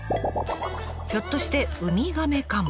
ひょっとしてウミガメかも？